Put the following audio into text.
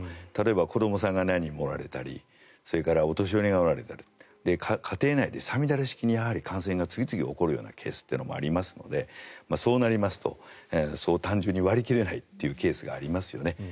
例えば子どもさんが何人もおられたりそれからお年寄りがおられたり家庭内で五月雨式に感染が次々に起こるようなケースというのもありますのでそうなりますとそう単純に割り切れないというケースがありますよね。